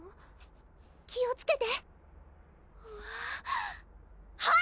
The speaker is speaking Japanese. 気をつけてはい！